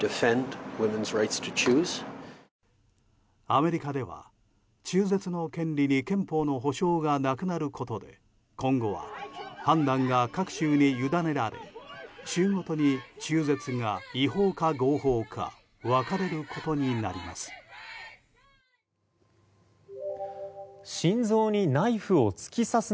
アメリカでは中絶の権利に憲法の保障がなくなることで今後は判断が各州に委ねられ州ごとに中絶が違法が合法か分かれることになります。